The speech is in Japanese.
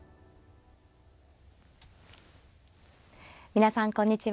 皆さんこんにちは。